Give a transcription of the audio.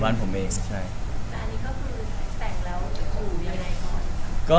อันนี้ก็คือแสดงแล้วคุณอย่างไรก่อน